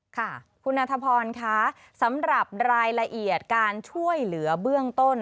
ค่ะคุณนัทพรค่ะสำหรับรายละเอียดการช่วยเหลือเบื้องต้น